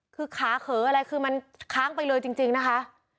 คือขาเขออะไรคือมันค้างไปเลยจริงนะคะ